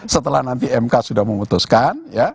setelah nanti mk sudah memutuskan